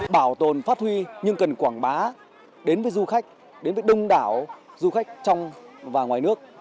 bảo tồn phát huy nhưng cần quảng bá đến với du khách đến với đông đảo du khách trong và ngoài nước